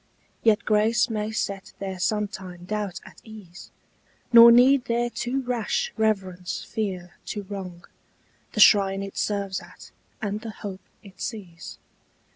Yet grace may set their sometime doubt at ease, Nor need their too rash reverence fear to wrong The shrine it serves at and the hope it sees.